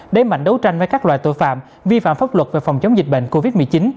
đẩy mạnh đấu tranh với các loại tội phạm vi phạm pháp luật về phòng chống dịch bệnh covid một mươi chín